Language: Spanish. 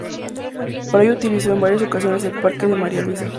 Para ello utilizó en varias ocasiones el Parque de María Luisa.